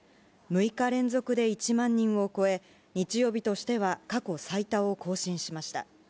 ６日連続で１万人を超え、日曜日としては過去最多を更新しました。